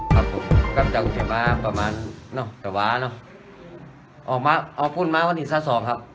ครับผมกำจังที่มาประมาณเนาะตะวะเนาะออกมาออกพูดมาวันนี้ซ่าสอบครับ